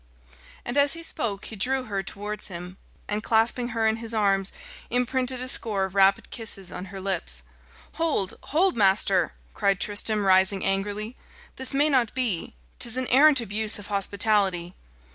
And as he spoke, he drew her towards him, and clasping her in his arms, imprinted a score of rapid kisses on her lips. "Hold! hold, master!" cried Tristram, rising angrily; "this may not be. 'Tis an arrant abuse of hospitality."